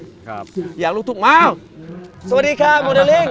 ครับอยากรู้ทุกม้าวสวัสดีค่ะโมเดลลิ่ง